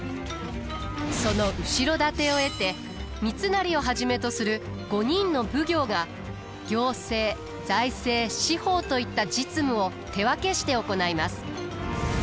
その後ろ盾を得て三成をはじめとする５人の奉行が行政財政司法といった実務を手分けして行います。